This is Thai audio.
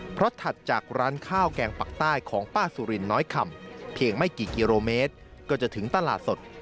เพราะถัดจากร้านข้าวแกงปักใต้ของป้าสุรินน้อยคำเพียงไม่กี่กิโลเมตรก็จะถึงตลาดสด